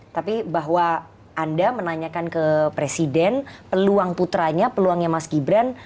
tapi bahwa anda menanyakan ke presiden peluang putranya peluangnya mas gibran